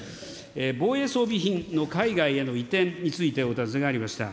防衛装備品の海外への移転について、お尋ねがありました。